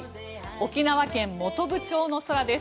沖縄県本部町の空です。